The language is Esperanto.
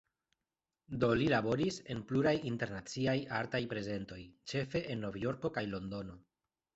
Do li laboris en pluraj internaciaj artaj prezentoj, ĉefe en Novjorko kaj Londono.